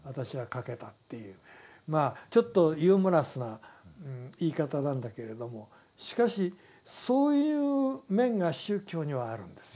まあちょっとユーモラスな言い方なんだけれどもしかしそういう面が宗教にはあるんですよ。